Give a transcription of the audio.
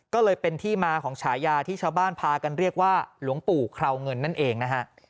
ก็เลยเป็นที่มาของฉายาที่ชาวบ้านพากันเรียกว่าหลวงปู่คราวเงินนั่นเองนะฮะ